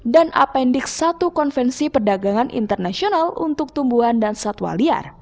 dan appendix satu konvensi perdagangan internasional untuk tumbuhan dan satwa liar